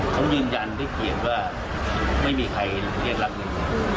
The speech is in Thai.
เขายืนยันได้เพียงว่าไม่มีใครเรียกรับเงิน